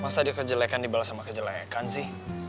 masa dia kejelekan dibalas sama kejelekan sih